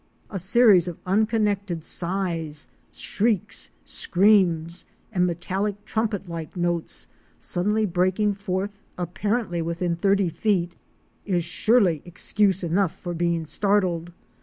A series of unconnected sighs, shrieks, screams, and metallic trumpet like notes suddenly breaking forth apparently within thirty feet, is surely excuse enough for being startled.